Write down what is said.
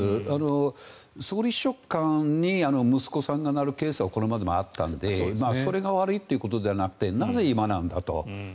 総理秘書官に息子さんがなるケースはこれまでもあったのでそれが悪いということではなくてなぜ、今なんだと。